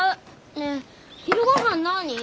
ねえ昼ごはん何？